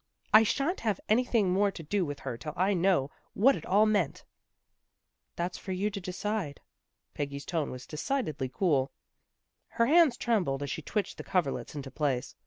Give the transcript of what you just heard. I sha'n't have anything more to do with her till I know what it all meant." " That's for you to decide." Peggy's tone was decidedly cool. Her hands trembled as she twitched the coverlets into place.